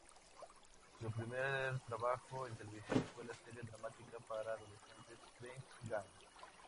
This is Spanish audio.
Su primer trabajo en televisión fue la serie dramática para adolescentes "Press Gang".